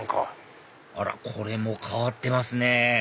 あらこれも変わってますね